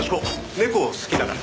猫好きだから。